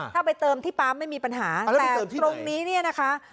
ถ้าไปเติมที่ปั๊มไม่มีปัญหาอ่าแล้วไปเติมที่ไหนแต่ตรงนี้เนี่ยนะคะ